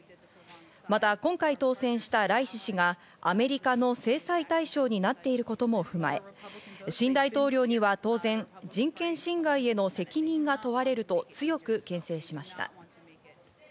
また今回当選したライシ師がアメリカの制裁対象になっていることも踏まえ、新大統領には当然、人権侵害への責任が問われると強くけん制しました。